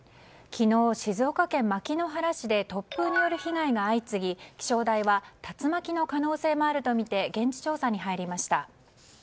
昨日、静岡県牧之原市で突風による被害が相次ぎ気象台は、竜巻の可能性もあるとみて現地調査に入りました。